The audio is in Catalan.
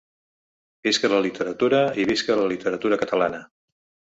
Visca la literatura i visca la literatura catalana!